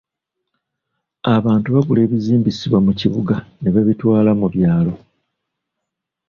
Abantu bagula ebizimbisibwa mu kibuga ne babitwala mu byalo.